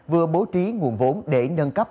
vừa bố trí nguồn vốn để nâng cấp